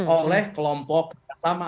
oleh kelompok kesama sama